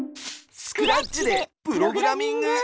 スクラッチでプログラミング！